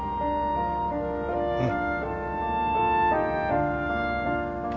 うん。